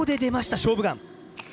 「勝負眼」。